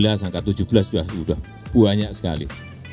delapan belas hingga tujuh belas sudah banyak sekali